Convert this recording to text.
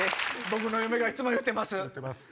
僕の嫁がいつも言うてます。